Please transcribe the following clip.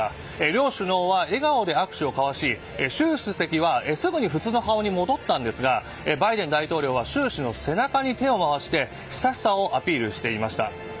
両首脳は笑顔で握手を交わし習主席はすぐに普通の顔に戻ったんですがバイデン大統領は習氏の背中に手をまわして親しさをアピールしていました。